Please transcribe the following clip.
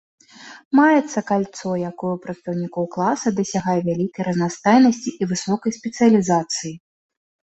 Маецца кальцо, якое ў прадстаўнікоў класа дасягае вялікай разнастайнасці і высокай спецыялізацыі.